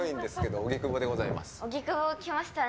荻窪、来ましたね。